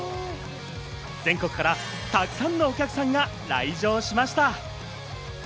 全国からたくさんのお客さんが来場しました。